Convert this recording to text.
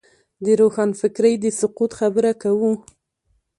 د روښانفکرۍ د سقوط خبره کوو.